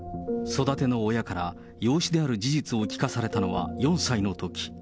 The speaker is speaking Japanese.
育ての親から、養子である事実を聞かされたのは４歳のとき。